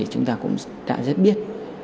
chúng ta cũng đã rất biết